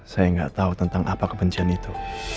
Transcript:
saya gak tau tentang apa kebencian itu